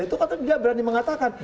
itu katanya dia berani mengatakan